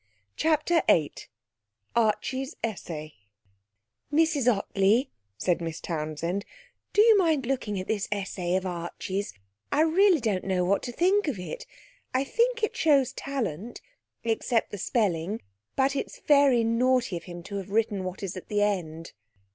CHAPTER VIII Archie's Essay 'Mrs Ottley,' said Miss Townsend,' do you mind looking at this essay of Archie's? I really don't know what to think of it. I think it shows talent, except the spelling. But it's very naughty of him to have written what is at the end.'